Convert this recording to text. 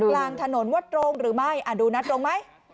กลางถนนว่าตรงหรือไม่ดูนัดตรงไหม